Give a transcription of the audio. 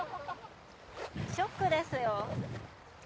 ・ショックですよ。